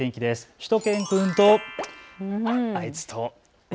しゅと犬くんとあいつと。